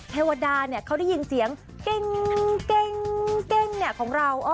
เทวดาเขาได้ยินเสียงเก้งของเรา